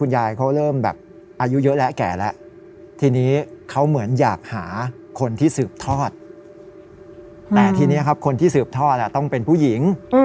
อยากหาคนที่สืบทอดแต่ทีนี้คนที่สืบทอดต้องเป็นผู้หญิง